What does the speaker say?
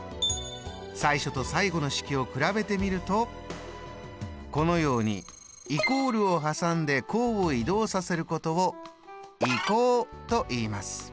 最初と最後の式を比べてみるとこのようにイコールを挟んで項を移動させることを「移項」といいます。